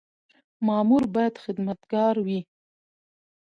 مامور باید خدمتګار وي